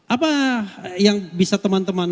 apa yang bisa teman teman